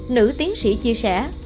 nữ tiến sĩ chia sẻ